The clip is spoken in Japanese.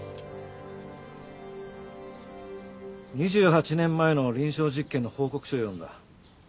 ２８年前の臨床実験の報告書を読んだ。